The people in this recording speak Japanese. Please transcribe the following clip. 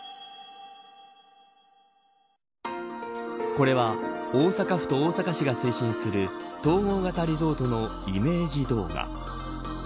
これは大阪府と大阪市が推進する統合型リゾートのイメージ動画。